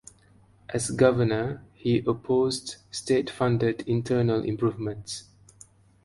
As governor, he opposed state-funded internal improvements.